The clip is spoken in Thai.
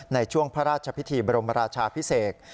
ในช่วงพระราชพิธีบรมราชาพิเศษ